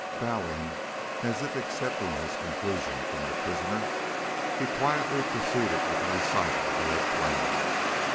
Bowing as if accepting this conclusion from the prisoner, he quietly proceeded with the recital he had planned.